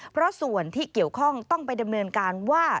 เพราะส่วนที่เกี่ยวข้องต้องไปดำเนินการว่า